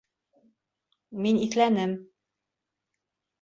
Мин иҫләнем.